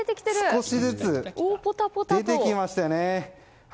少しずつ出てきましたよね。